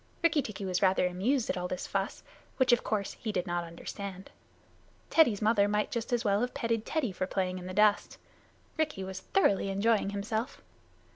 Rikki tikki was rather amused at all the fuss, which, of course, he did not understand. Teddy's mother might just as well have petted Teddy for playing in the dust. Rikki was thoroughly enjoying himself.